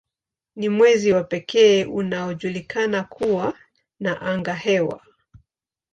Ni mwezi wa pekee unaojulikana kuwa na angahewa.